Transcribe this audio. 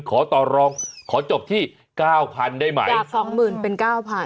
ขอต่อรองขอจบที่เก้าพันได้ไหมจากสองหมื่นเป็นเก้าพัน